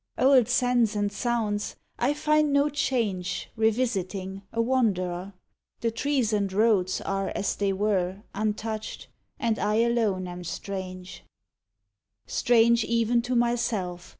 Old scents and sounds .... I find no change, Revisiting, a wanderer; The trees and roads are as they were, Untouched, and I alone am strange Strange even to myself!